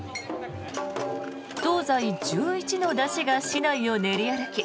東西１１の山車が市内を練り歩き